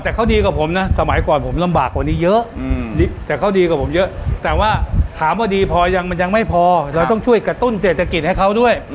แต่เขาดีกว่าผมนะสมัยก่อนผมลำบากกว่านี้เยอะแต่เขาดีกว่าผมเยอะแต่ว่าถามว่าดีพอยังมันยังไม่พอเราต้องช่วยกระตุ้นเศรษฐกิจให้เขาด้วย